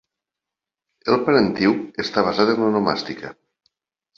El parentiu està basat en l'onomàstica.